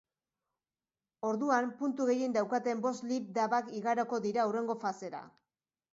Orduan, puntu gehien daukaten bost lipdubak igaroko dira hurrengo fasera.